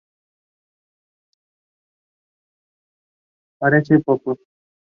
Parece que posteriormente su cuerpo fue trasladado a la catedral de Bangor.